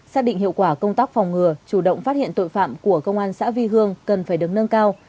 xác định hiệu quả công tác phòng ngừa chủ động phát hiện tội phạm của công an xã vi hương cần phải đứng nâng cao